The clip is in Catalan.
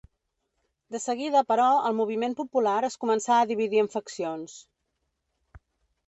De seguida, però, el moviment popular es començà a dividir en faccions.